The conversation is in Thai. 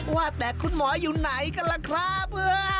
ว่าแต่คุณหมออยู่ไหนกันล่ะครับ